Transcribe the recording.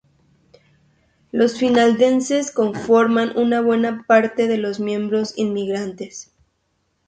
Los finlandeses conformaron una buena parte de los miembros inmigrantes.